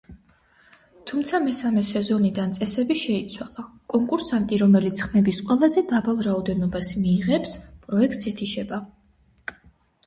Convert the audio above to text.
თუმცა მესამე სეზონიდან წესები შეიცვალა; კონკურსანტი, რომელიც ხმების ყველაზე დაბალ რაოდენობას მიიღებს, პროექტს ეთიშება.